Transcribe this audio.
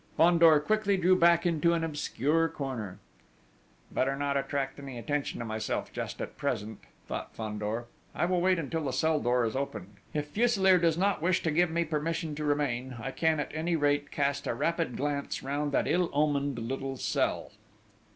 Fandor quickly drew back into an obscure corner: "Better not attract attention to myself just at present," thought Fandor; "I will wait until the cell door is opened. If Fuselier does not wish to give me permission to remain, I can at any rate cast a rapid glance round that ill omened little cell!"